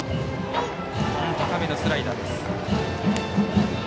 高めのスライダーです。